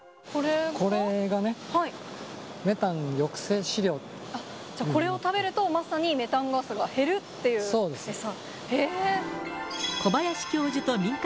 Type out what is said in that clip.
これがね、じゃあこれを食べると、まさにメタンガスが減るっていう餌。